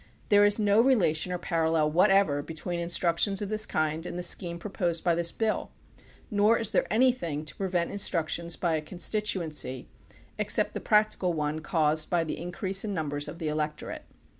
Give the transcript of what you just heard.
There is no re lation or parallel whatever between instructions of this kind and the scheme proposed by this bill, nor is there an5rthing to prevent instructions by a constituency ex cept the practical one caused by the increase in numbers of the electorate.